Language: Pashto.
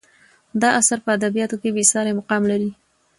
دا اثر په ادبیاتو کې بې سارې مقام لري.